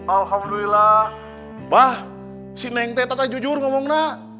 alhamdulillah mba si nenek tetep jujur ngomongnya